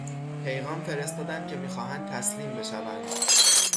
پیغام فرستادند که میخواهند تسلیم بشوند.